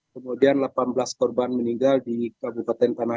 kemudian delapan belas korban meninggal di kabupaten tanah